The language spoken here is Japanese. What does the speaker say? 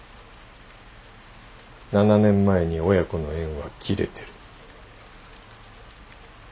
７年前に親子の縁は切れてる。